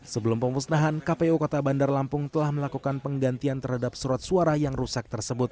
sebelum pemusnahan kpu kota bandar lampung telah melakukan penggantian terhadap surat suara yang rusak tersebut